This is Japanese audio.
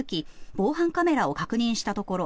防犯カメラを確認したところ